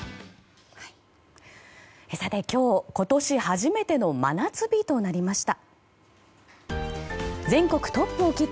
さて、今日今年初めての真夏日となりました。